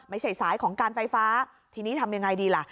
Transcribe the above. ไม่ใช่สายของการไฟฟ้าทีนี้ทำยังไงดีล่ะ